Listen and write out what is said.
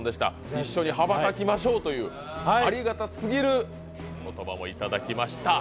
一緒に羽ばたきましょうという、ありがたすぎるお言葉もいただきました。